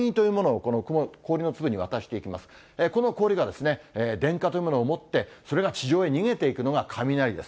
この氷の粒がでんかというものを持って、それが地上に逃げていくのが雷です。